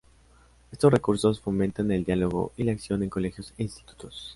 Estos recursos fomentan el diálogo y la acción en colegios e institutos.